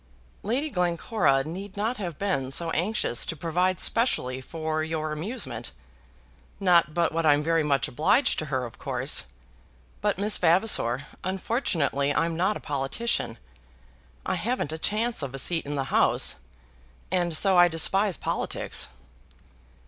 "Lady Glencora need not have been so anxious to provide specially for your amusement. Not but what I'm very much obliged to her, of course. But Miss Vavasor, unfortunately I'm not a politician. I haven't a chance of a seat in the House, and so I despise politics."